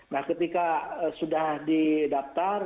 nah ketika sudah didaftar